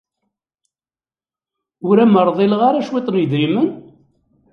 Ur am-rḍileɣ ara cwiṭ n yidrimen?